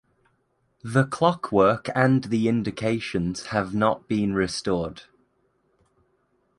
The clockwork and the indications have not been restored.